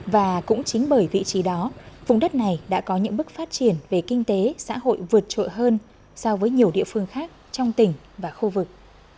và cũng chính bởi vị trí đó vùng đất này đã có những bước phát triển về kinh tế xã hội vượt trội hơn so với nhiều địa phương khác trong tỉnh và khu vực